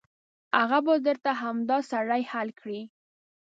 هغه به درته همدا سړی حل کړي.